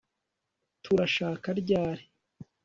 turashaka ryari